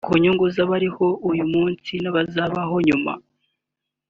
ku nyungu z’abariho uyu munsi n’abazabaho nyuma